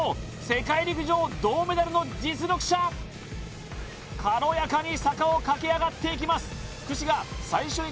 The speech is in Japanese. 世界陸上銅メダルの実力者軽やかに坂を駆け上がっていきます